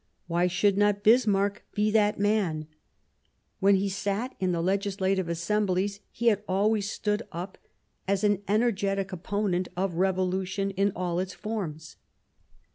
Why should not Bismarck be that man ? When he sat in the Legislative Assemblies he had always stood up as an energetic opponent of revolution in all its forms.